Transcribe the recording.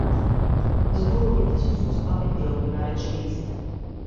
Зборовите се составни делови на речениците.